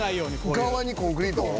「側にコンクリートを？